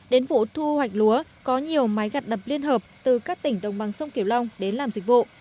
đến vụ thu hoạch lúa có nhiều máy gặt đập liên hợp từ các tỉnh đồng bằng sông kiều long đến làm dịch vụ